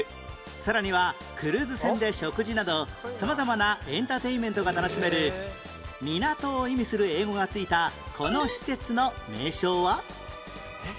さらにはクルーズ船で食事など様々なエンターテインメントが楽しめる港を意味する英語が付いたこの施設の名称は？